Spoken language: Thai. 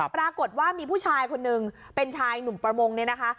ปรากฏว่ามีผู้ชายคนนึงเป็นชายหนุ่มประมงเนี่ยนะคะ